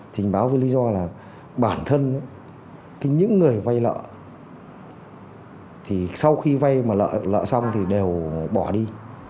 trình báo với lý do là bản thân những người vay nợ thì sau khi vay mà lợi xong thì đều bỏ đi